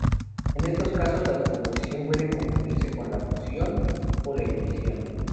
En estos casos, la descomposición puede confundirse con la fusión o la ebullición.